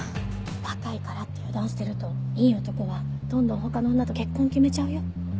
若いからって油断してるといい男はどんどん他の女と結婚決めちゃうよ。